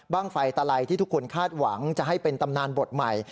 บ้างไฟตลายที่ทุกคนคาดหวังจะเป็นตำนานบดใหม่